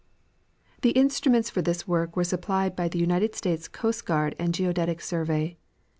The instruments for this work were supplied by the United States Coast and Geodetic Survey.